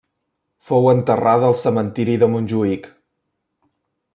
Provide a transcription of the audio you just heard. Fou enterrada al Cementiri de Montjuïc.